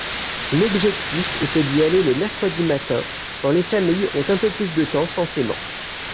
l'objectif était d'y aller le mercredi matin quand les familles ont un peu plus de temps censément.